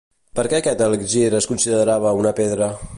Per què aquest elixir es considerava una pedra?